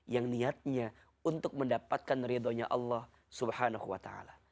yang niatnya untuk mendapatkan ridhonya allah swt